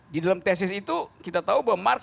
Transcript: di dalam tesis itu kita tahu bahwa mars